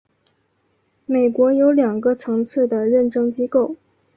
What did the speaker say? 美国有两个层次的认证机构。